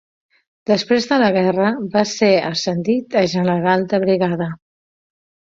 Després de la guerra, va ser ascendit a general de brigada.